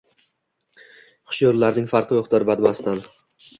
Hushyorlarning farqi yoʻqdir badmastdan.